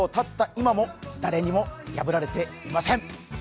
今も誰にも破られていません。